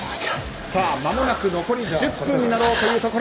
まもなく残り１０分になろうというところ。